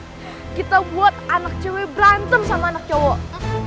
kita buat anak cewek berantem sama anak cowok